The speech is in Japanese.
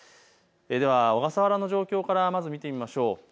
小笠原の状況からまず見てみましょう。